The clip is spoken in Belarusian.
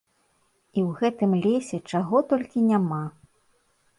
І ў гэтым лесе чаго толькі няма!